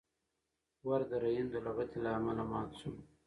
ور د رحیم د لغتې له امله مات شو.